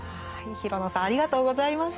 廣野さんありがとうございました。